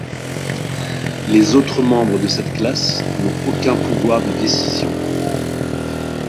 Les autres membres de cette classe n'ont aucun pouvoir de décision.